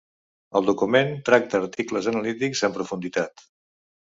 El document tracta articles anàlitics en profunditat.